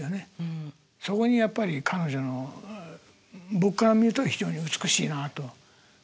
そこにやっぱり彼女の僕から見ると非常に美しいなと。